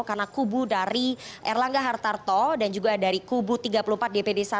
karena kubu dari erlangga hartarto dan juga dari kubu tiga puluh empat dpd satu